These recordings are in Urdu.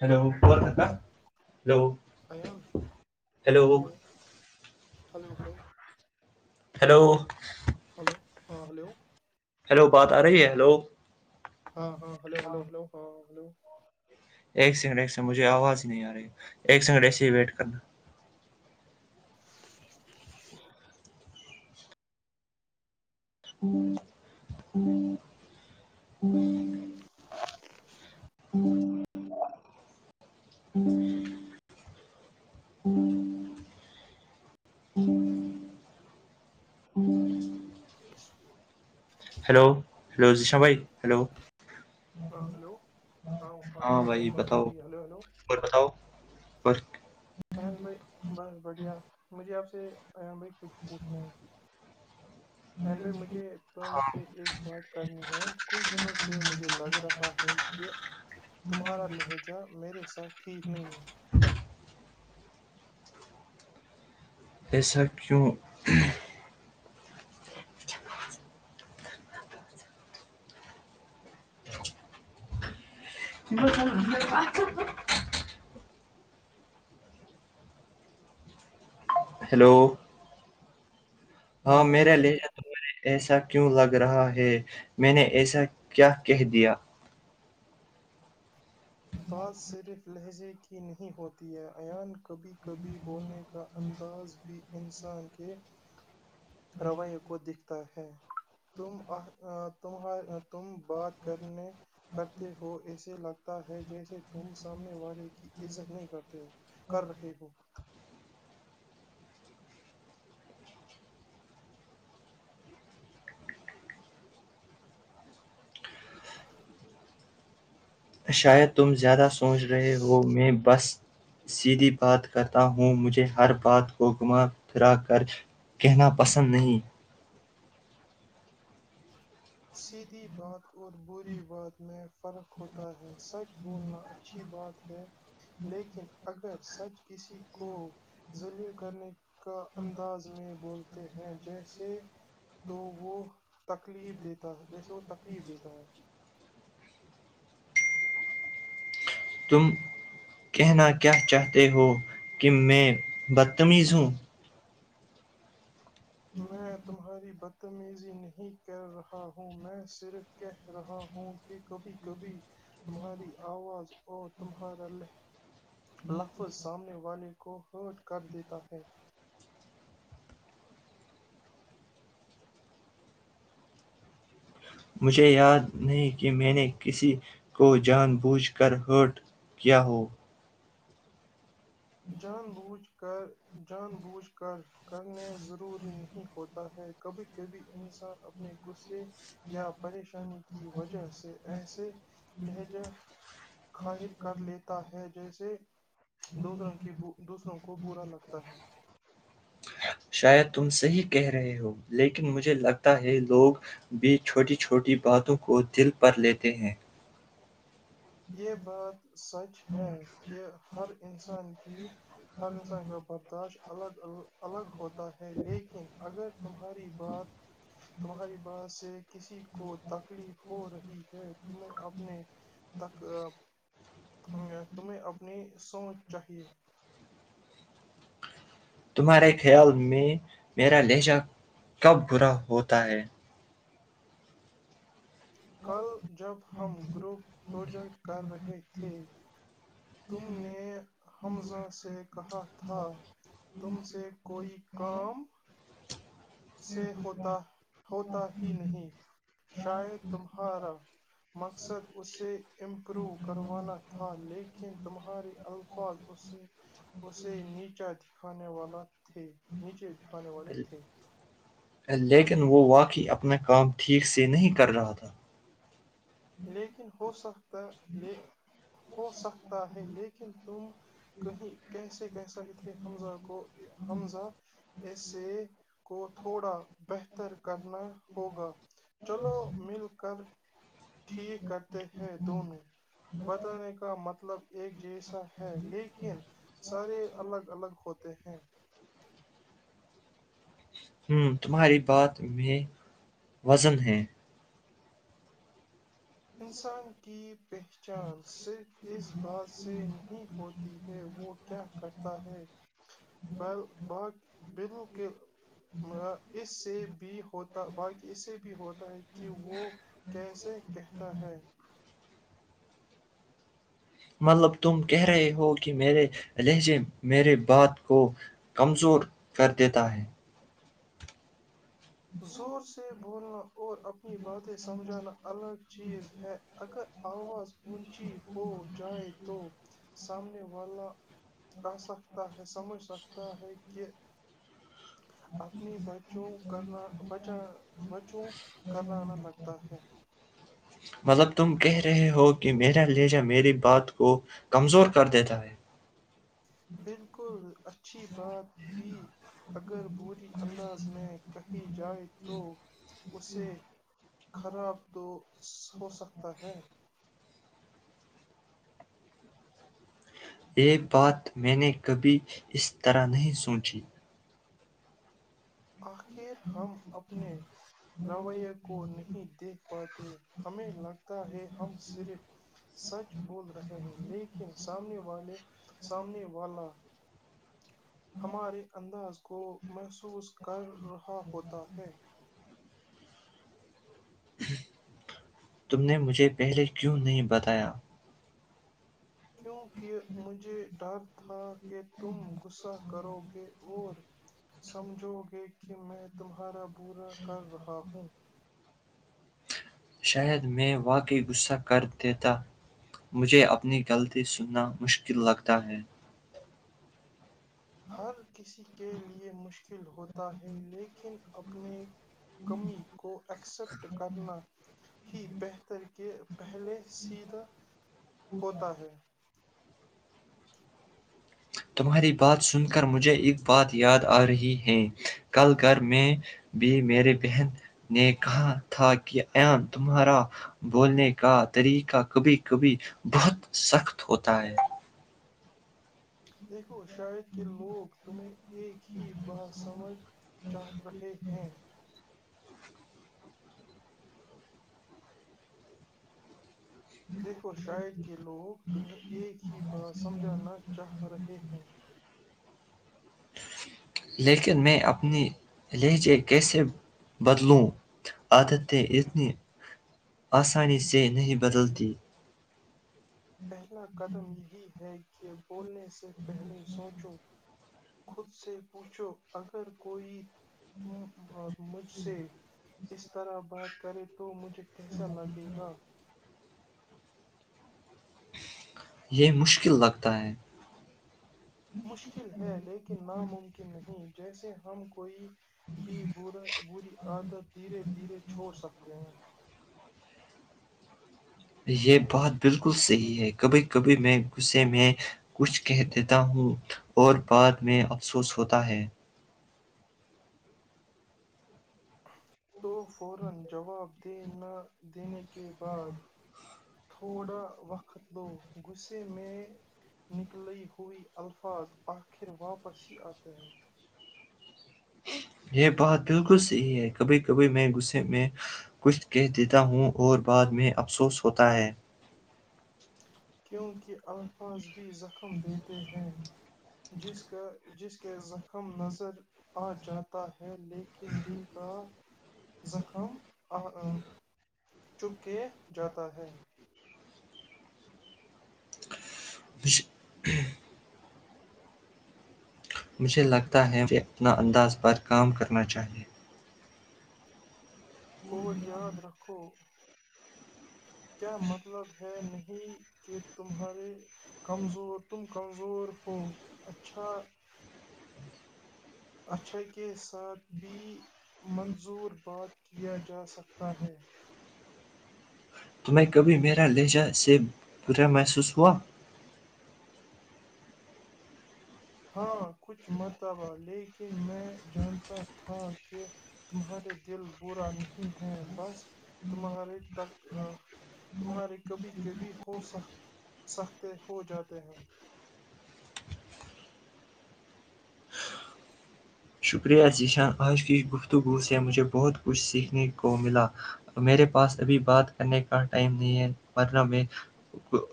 ہیلو ب کا hello Ayan hello hello hello hello hello ہاں ہلو ہلو بات آ رہی ہے ہلو ہاں ہاں ہلو ہلو ہلو ہاں ہلو ایک سیکنڈ ایک سڈ مجھے آواز نہیں آ رہی ایک سیکنڈ ایسے ہی ویٹ کرنا ہوں ہ ہ ہوں ہوں ہیلو ہلو جیشا بھائی ہیلو ہاں ہلو ہاں بھائی بتاؤ ہلو اور بتاؤ اور این بھائی بس بڑھیا مجھے آپ سے ام بھائی کچھ پوچھنا ہے این بھائی مجھے تو م سے ایک بات کرنی ہے کچھ دنوں سے مجھے لگ رہا ہے کہ تمہارا لہجہ میرے ساتھ ٹھیک نہیں ہے ایسب کیونوں آات تو ہلو ہاں میرا لیے تمہارے ایسا کیوں لگا رہا ہے میں نے ایسا کیا کہہ دیا بات صرف لہجے کی نہیں ہوتی ہے ایان کبھی کبھی بولنے کا انداز بھی انسان کے رویے کو دکھتا ہے تم تم تم بات کرنے کرتے ہو ایسے لگتا ہے جیسے تم سامنے والے کی عزت نہیں کرتے کر رہے ہو شاید تم زیادہ سوچ رہے ہو میں بس سیدھی بات کرتا ہوں مجھے ہر بات کو گھما پھرا کر کہنا پسند نہیں سھی بات اور بری بات میں فرق ہوتا ہے سچ بولنا اچھی بات ہے لیکن اگر سچ کسی کو ذلیل کرنے کا انداز میں بولتے ہیں جیسے تو وہ تکلیف دیتے تا جیسے وہ تکلیف دیتا ہے تم کہنا کیا چاہتے ہو کہ میں بدتمیز ہوں میں تمہاری بدتمیزی نہیں کر رہا ہوں میں صرف کہہ رہا ہوں کہ کبھی کبھی تمہاری آواز اور تمہارا ل لفظ سامنے والے کو ہرٹ کر دیتا ہے مجھے یاد نہیں کہ میں نے کسی کو جان بوجھ کر ہرٹ کیا ہو جان کر جان بوجھ کر کرنے ضروری نہیں ہوتا ہے کبھی کبھی انسان اپنے غصے یا پریشانی کی وجہ سے ایسے لہجہ خاہر کر لیتا ہے جیسے دوسروں کے دوسروں کو برا لگتا ہے شاید تم صحیح کہہ رہے ہو لیکن مجھے لگتا ہے لوگ بھی چھوٹی چھوٹی باتوں کو دل پر لیتے ہیں یہ بات سچ ہے کہ ہر انسان کی ہر انسان کا برداشت الگ ال الگ ہوتا ہے لیکن اگر تمہاری بات تمہاری بات سے کسی کو تکلیف ہو رہی ہے تمیں اپنے تک تمہیں اپنی سوچ چاہیے تمہارے خیال میں میرا لہجہ کب برا ہوتا ہے کل جب ہم گروپ پروجیکٹ کر رہے تھے تم نے حمزہ سے کہا تھا تم سے کوئی کام سے ہوتا ہوتا ہی نہیں شاید تمہارا مقصد اسے امپروو کروانا تھا لیکن تمہارے الفاظ اسے نیچا دکھانے والا تھے نیچے دکھانے والے تھے لیکن وہ واقعی اپنا کام ٹھیک سے نہیں کر رہا تھا لیکن ہو سکتا ل ہو سکتا ہے لیکن تم کہیں کیسے کہ سک تھے حمزہ کو حمزہ ایسے کو تھوڑا بہتر کرنا ہوگا چلو مل کر ٹھیک کرتے ہیں دونوں بتانے کا مطلب ایک جیسا ہے لیکن سارے الگ الگ ہوتے ہیں ہم تمہاری بات میں وزن ہے انسان کی پہچان صرف اس بات سے نہیں ہوتی ہے وہ کیا کرتا ہے بالکل اس سے بھی ہوتا باقی اس سے بھی ہوتا ہے کہ وہ کیسے کہ تا ہے مطلب تم کہہ رہے ہو کہ میرے لہجے میرے بات کو کمزور کر دیتا ہے زور سے بولنا اور اپنی باتیں سمجھانا الگ چیز ہے اگر آواز اونچی ہو جائے تو سامنے والا آ سکتا ہے سمجھ سکتا ہے کہ اپنیوں بچوں کرنا آ لگتا ہے مطلب تم کہہ رہے ہو کہ میرا لہجہ میری بات کو کمزور کر دیتا ہے بالکل اچھی بات بھی اگر بری انداز میں کہی جائے تو اسے خراب تو ہو سکتا ہے یہ بات میں نے کبھی اس طرح نہیں سوچھی آخر ہم اپنے رویے کو نہیں دیکھ پاتے ہمیں لگتا ہے ہم صرف سچ بول رہے ہیں لیکن سامنے والے سامنے والا ہمارے انداز کو محسوس کر رہا ہوتا ہے تم نے مجھے پہلے کیوں نہیں بتایا؟ کیونکہ مجھے ڈر تھا کہ تم غصہ کرو گے اور سمجھو گے کہ میں تمہارا برا کر رہا ہوں شاید میں واقعی غصہ کر دیتا مجھے اپنی غلطی سننا مشکل لگتا ہے ہر کسی کے لئے مشکل ہوتا ہے لیکن اپنی کمی کو ایکسپٹ کرنا ہی بہتر کے پہلے سیدھا ہوتا ہے تمہاری بات سن کر مجھے ایک بات یاد آ رہی ہے کل میں بھی میرے بہن نے کہا تھا کہ ایں تمہارا بولنے کا طریقہ کبھی کبھی بہت سخت ہوتا ہے [inaudible] دیک شاید کے لوگ تمہیں ایک ہی بات سمجھ رہے ہیں دیکھو شار کہ لوگ تمہیں ایک ہی بات سمجھانا چاہ رہے ہیں لیکن میں اپنی لہجے کیسے بدلوں عادتیں اتنی آسانی سے نہیں بدلتی پہلا قدم یہی ہے کہ [inaudible] بولنے سے پہلے سوچو خود سے پوچھو اگر کوئی مجھ سے اس طرح بات کرے تو مجھے کیسا لگے گا یہ مشکل لگتا ہے مشکل ہے لیکن ناممکن نہیں جیسے ہم کوئی بھی بری عادت دھیرے دھیرے چھوڑ سکتے ہیں یہ بات بالکل صحیح ہے کبھی کبھی میں غصے میں کچھ کہہ دیتا ہوں اور بعد میں افسوس ہوتا ہے [unintelligible] دینے کے بعد تھوڑا وقت لو غصے میں نکلی ہوئی الفاظ آخر واپس ہی آتے ہیں یہ بات بالکل صحیح ہے کبھی کبھی میں غصے میں کچھ کہہ دیتا ہوں اور بعد میں افسوس ہوتا ہے کیونکہ الفاظ زخم دیتے ہیں جس کا جس کے زخم نظر آ جاتا ہے لیکن دل کا زخم چپ کے جاتا ہے کش مجھے لگتا ہے وہ اپنا انداز پر کام کرنا چاہیئے اور یاد رکھو کیا مطلب ہے نہیں کہ تمہارے کمزور تم کمزور ہو اچھا اچھے کے ساتھ بھی منظور بات کیا جا سکتا ہے تمہیں کبھی میرا لہجہ سے برا محسوس ہوا ہاں کچھ مرتبہ لیکن میں جانتا تھا کہ تمہارے دل برا نہیں ہے بس تمہارے تک تمہارے کبھی کبھی ہو سک سکتے ہو جاتے ہیں شکریہ ذیشان آج کی گفتگو سے مجھے بہت کچھ سیکھنے کو ملا میرے پاس ابھی بات کرنے کا ٹائم نہیں ہے ورنہ میں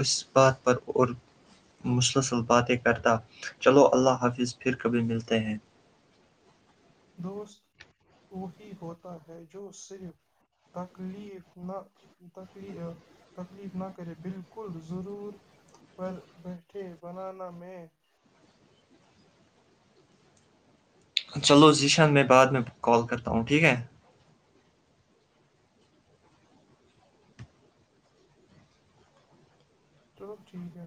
اس بات پر اور مسلسل باتیں کرتا چلو اللہ حافظ پھر کبھی ملتے ہیں دوست وہی ہوتا ہے جو صرف تکلیف نہ تکلی تکلیف نہ کرے بالکل ضرور پر بیٹھے بنانا میں چلو ذیشان میں بعد میں کال کرتا ہوں ٹھیک ہے تو ٹھیک ہے